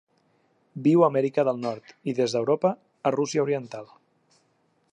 Viu a Amèrica del Nord, i des d'Europa a Rússia oriental.